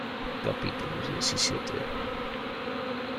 capítulo diecisiete.